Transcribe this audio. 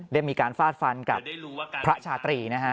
ได้มีการฟาดฟันกับพระชาตรีนะฮะ